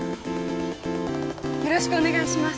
よろしくお願いします。